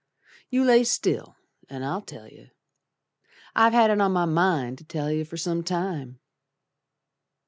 You lay still, an' I'll tell yer, I've had it on my mind to tell yer Fer some time.